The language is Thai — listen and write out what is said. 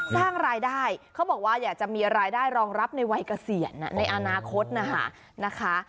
สร้างรายได้เขาบอกว่าอยากจะมีรายได้รองรับในวัยเกษียณในอนาคตนะคะ